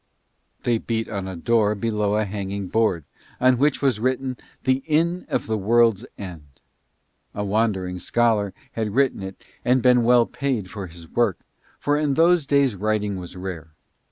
They beat on a door below a hanging board, on which was written "The Inn of the World's End": a wandering scholar had written it and had been well paid for his work, for in those days writing was rare.